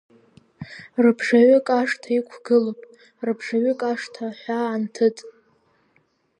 Рыбжаҩык ашҭа иқәгылоуп, рыбжаҩык ашҭа аҳәаа анҭыҵ.